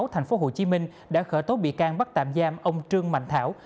thành phố hồ chí minh đã khởi tố bị can bắt tạm giam ông trương mạnh thảo